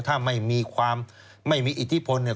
ถ้าไม่มีความไม่มีอิทธิพลเนี่ย